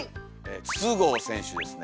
筒香選手ですね。